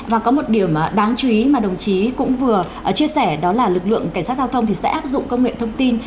và có một điểm đáng chú ý mà đồng chí cũng vừa chia sẻ đó là lực lượng cảnh sát giao thông sẽ áp dụng công nghệ thông tin